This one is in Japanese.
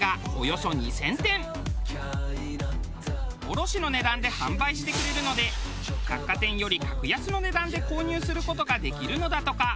卸しの値段で販売してくれるので百貨店より格安の値段で購入する事ができるのだとか。